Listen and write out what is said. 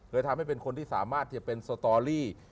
ทำให้เป็นคนที่สามารถจะเป็นสตอรี่